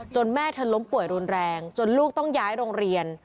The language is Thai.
แม่เธอล้มป่วยรุนแรงจนลูกต้องย้ายโรงเรียน